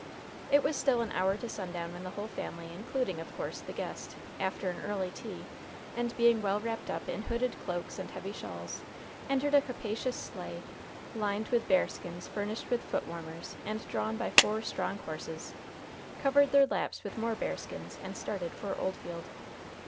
It was still an hour to sundown when the whole family, including, of course, the guest, after an early tea, and being well wrapped up in hooded cloaks and heavy shawls, entered a capacious sleigh, lined with bearskins, furnished with foot warmers, and drawn by four strong horses, covered their laps with more bearskins and started for Oldfield.